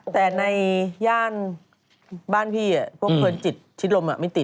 แต่ในย่านบ้านพี่พวกเพลินจิตชิดลมไม่ติด